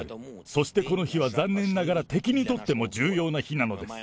そしてこの日は残念ながら敵にとっても重要な日なのです。